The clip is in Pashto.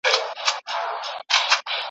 ته به هم بچو ته کیسې وکړې د ځوانۍ !.